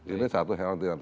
ini satu heran tiga tiga